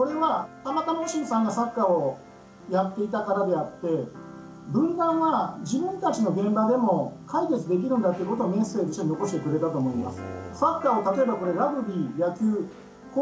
もうひとつ僕が思うのはこれは、たまたまオシムさんがサッカーをやっていたからであって分断は、自分たちの現場でも解決できるんだということをメッセージとして残してくれたと思います。